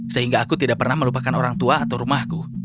sehingga aku tidak pernah melupakan orang tua atau rumahku